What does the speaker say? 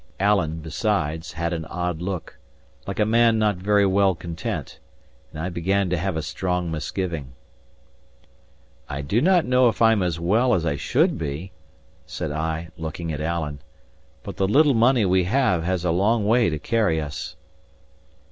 Alan, besides, had an odd look, like a man not very well content; and I began to have a strong misgiving. "I do not know if I am as well as I should be," said I, looking at Alan; "but the little money we have has a long way to carry us."